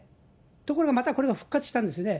ところがまた、これが復活したんですね。